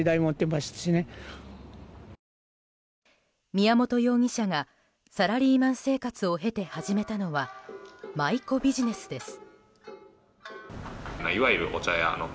宮本容疑者がサラリーマン生活を経て始めたのは舞妓ビジネスです。